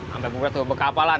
ya gapapa banget tuh bekapalan